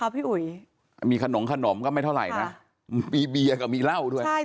พี่อุ๋ยมีขนมขนมก็ไม่เท่าไหร่นะมีเบียร์กับมีเหล้าด้วย